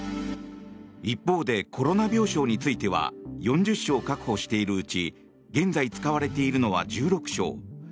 一方でコロナ病床については４０床確保しているうち現在使われているのは１６床。